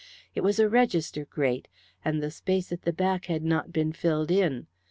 It was a register grate, and the space at the back had not been filled in.